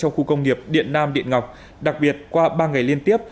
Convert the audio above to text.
cho khu công nghiệp điện nam điện ngọc đặc biệt qua ba ngày liên tiếp